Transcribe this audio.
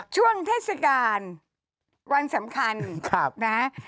ช่วงเทศกาลวันสำคัญนะ